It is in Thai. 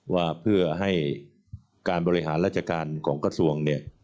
ว่าเพื่อให้การบริหารราชการของกระทรวงเนี่ย